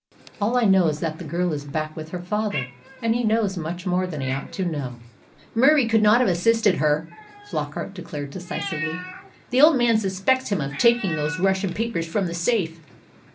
All I know is that the girl is back with her father, and that he knows much more than he ought to know." "Murie could not have assisted her," Flockart declared decisively. "The old man suspects him of taking those Russian papers from the safe."